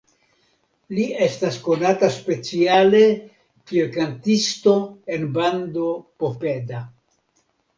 Li estas konata speciale kiel kantisto en bando Popeda.